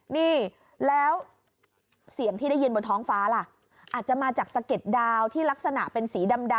นี่แล้วเสียงที่ได้ยินบนท้องฟ้าล่ะอาจจะมาจากสะเก็ดดาวที่ลักษณะเป็นสีดำ